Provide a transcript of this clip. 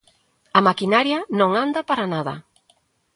A maquinaria non anda para nada.